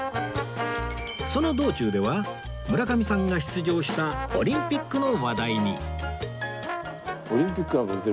その道中では村上さんが出場したオリンピックの話題に